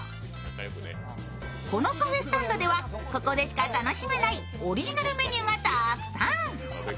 このカフェスタンドではここでしか楽しめないオリジナルメニューがたくさん。